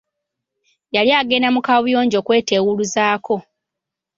Yali agenda mu kabuyonjo kwetewuluzaako.